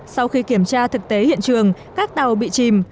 sau khi kiểm tra thực tế hiện trường các tàu bị chìm